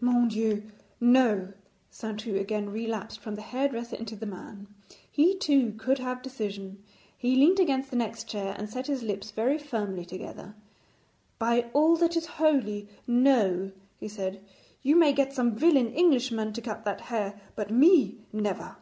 'Mon Dieu, no!' Saintou again relapsed from the hairdresser into the man. He too could have decision. He leant against the next chair and set his lips very firmly together. 'By all that is holy, no,' he said; 'you may get some villain Englishman to cut that hair, but me, never.'